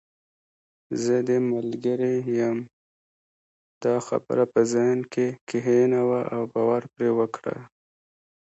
زه دې ملګرې یم، دا خبره په ذهن کې کښېنوه او باور پرې وکړه.